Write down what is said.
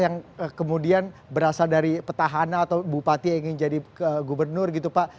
yang kemudian berasal dari petahana atau bupati yang ingin jadi gubernur gitu pak